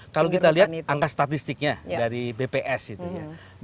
kalau kita lihat angka statistiknya dari bps itu ya